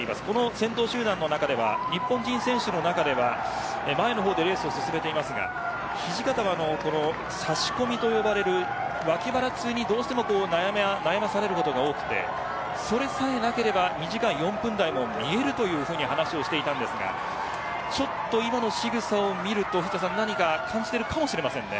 先頭集団の日本人選手の中では前の方でレースを進めていますが土方が差し込みと呼ばれる脇腹痛に悩まされることが多くそれさえなければ２時間４分台も見えると話していましたが今のしぐさを見ると何か感じているかもしれません。